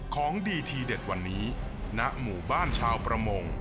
ของดีทีเด็ดวันนี้ณหมู่บ้านชาวประมง